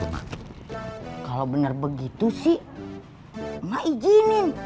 mbak kalau bener begitu sih mbak izinin